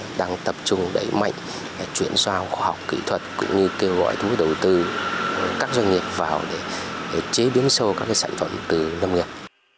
viện lan tránh đang tập trung đẩy mạnh chuyển sao khoa học kỹ thuật cũng như kêu gọi thú đầu tư các doanh nghiệp vào để chế biến sâu các sản phẩm từ lâm nghiệp